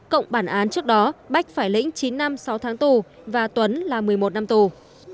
cộng bản án trước đó bách phải lĩnh chín năm sáu tháng tù và tuấn là một mươi một năm tù